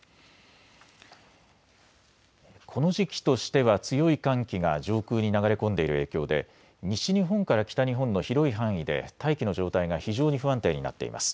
この時期としては強い寒気が上空に流れ込んでいる影響で西日本から北日本の広い範囲で大気の状態が非常に不安定になっています。